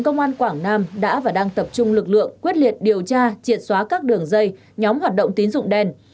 công an quảng nam đã và đang tập trung lực lượng quyết liệt điều tra triệt xóa các đường dây nhóm hoạt động tín dụng đen